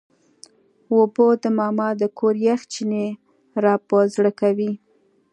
اوبه د ماما د کور یخ چینې راپه زړه کوي.